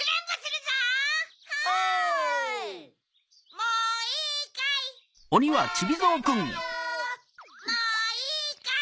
もういいかい？